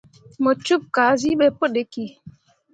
Mo cup kazi be pu ɗiki.